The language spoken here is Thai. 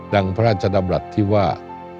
พระราชดำรัฐที่ว่า